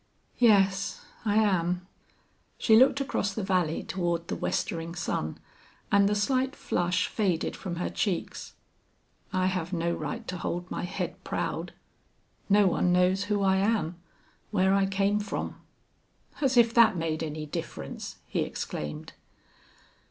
"Yes, I am." She looked across the valley toward the westering sun, and the slight flush faded from her cheeks. "I have no right to hold my head proud. No one knows who I am where I came from." "As if that made any difference!" he exclaimed.